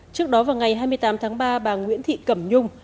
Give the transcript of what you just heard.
trước đó vào ngày hai mươi tám tháng ba bà nguyễn thị cẩm nhung